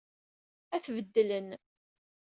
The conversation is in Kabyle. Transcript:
Ad t-beddlen.